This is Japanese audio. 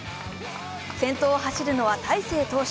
先頭を走るのは大勢投手。